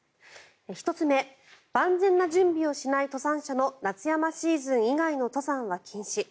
１つ目万全な準備をしない登山者の夏山シーズン以外の登山は禁止。